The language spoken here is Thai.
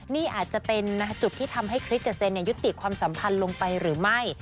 นี่อาจจะเป็นจุดที่ทำให้คริสกับเซนยุติความสัมพันธ์ลงไปหรือไม่